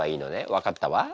分かったわ。